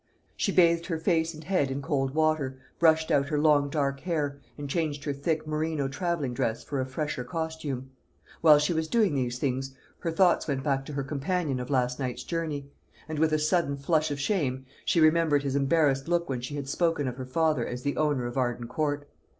She bathed her face and head in cold water, brushed out her long dark hair, and changed her thick merino travelling dress for a fresher costume. While she was doing these things, her thoughts went back to her companion of last night's journey; and, with a sudden flush of shame, she remembered his embarrassed look when she had spoken of her father as the owner of Arden Court.